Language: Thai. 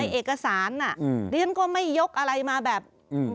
ในเอกสารอ่าเดี๋ยวฉันก็ไม่ยกอะไรมาแบบอืม